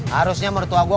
harusnya menurut tua gue